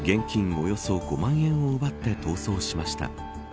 およそ５万円を奪って逃走しました。